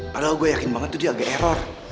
padahal gue yakin banget tuh dia agak error